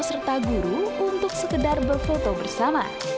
serta guru untuk sekedar berfoto bersama